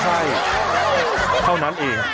ใช่เท่านั้นเอง